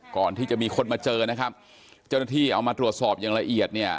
ก่อนที่จะมีคนมาเจอนะครับเจ้าหน้าที่เอามาตรวจสอบอย่างละเอียดเนี่ย